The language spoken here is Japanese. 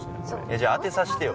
じゃあ当てさせてよ。